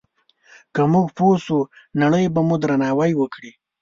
که موږ پوه شو، نړۍ به مو درناوی وکړي.